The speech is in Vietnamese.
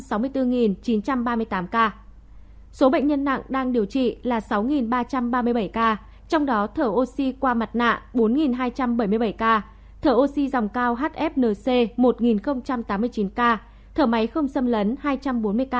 số bệnh nhân nặng đang điều trị là sáu ba trăm ba mươi bảy ca trong đó thở oxy qua mặt nạ bốn hai trăm bảy mươi bảy ca thở oxy dòng cao hfnc một tám mươi chín ca thở máy không xâm lấn hai trăm bốn mươi ca thở máy xâm lấn tám trăm linh năm ca và x mo là hai mươi năm ca